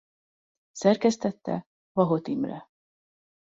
Szerkesztette Vahot Imre.